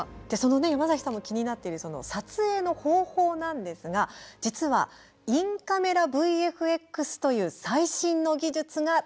山崎さんも気になっている撮影の方法なんですが実はインカメラＶＦＸという最新の技術が使われているんです。